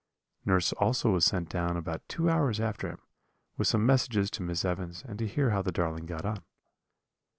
Nurse also was sent down about two hours after him, with some messages to Miss Evans and to hear how the darling got on.